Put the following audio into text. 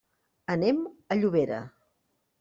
Anem a Llobera.